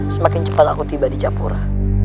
semakin cepat aku tiba di japura